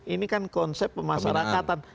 ini kan konsep pemasarakatan